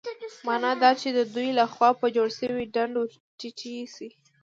مانا دا چې د دوی له خوا په جوړ شوي ډنډ ورټيټې شي.